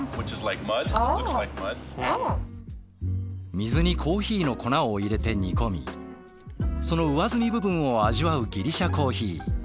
水にコーヒーの粉を入れて煮込みその上澄み部分を味わうギリシャコーヒー。